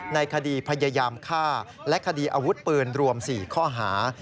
ในคดีพยายามฆ่าและคดีอาวุธปืนรวม๔ข้อหา